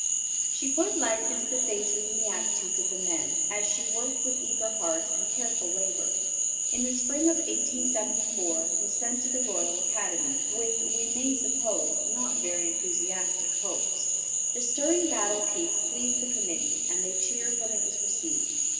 She put life into the faces and the attitudes of the men, as she worked with eager heart and careful labor. In the spring of 1874 it was sent to the Royal Academy, with, we may suppose, not very enthusiastic hopes. The stirring battle piece pleased the committee, and they cheered when it was received.